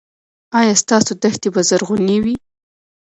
ایا ستاسو دښتې به زرغونې وي؟